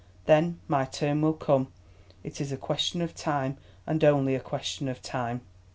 Then my turn will come. It is a question of time—only a question of time!"